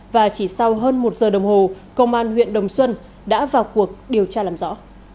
và chỉ sau hơn một giờ đồng hồ công an huyện đồng xuân đã vào cuộc điều tra làm rõ